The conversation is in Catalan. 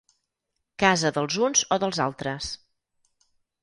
Casa dels uns o dels altres.